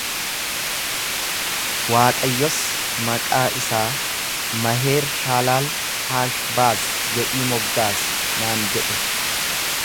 Waaqayyos maqaa isaa Maheer-shaalaal-haash-baaz jedhii moggaasi naan jedhe.